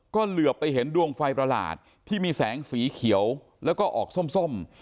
ก็เหลือไปเห็นดวงไฟประหลาดที่มีแสงสีเขียวแล้วก็ออกส้ม